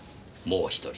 もう１人？